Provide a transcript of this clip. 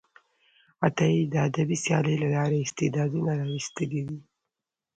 عطایي د ادبي سیالۍ له لارې استعدادونه راویستلي دي.